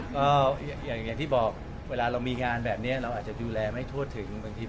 ก็อย่างที่บอกเวลาเรามีงานแบบนี้เราอาจดูแลไม่โทษถึง